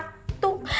yang langsung menjadi